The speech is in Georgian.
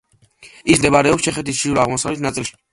ის მდებარეობს ჩეხეთის ჩრდილო-აღმოსავლეთ ნაწილში.